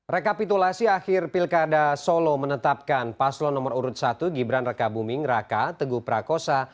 rekapitulasi akhir pilkada solo menetapkan paslon nomor urut satu gibran reka buming raka teguh prakosa